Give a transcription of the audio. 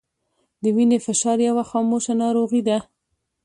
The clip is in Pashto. د وینې فشار یوه خاموشه ناروغي ده